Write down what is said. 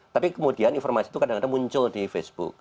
tapi kemudian informasi itu kadang kadang muncul di facebook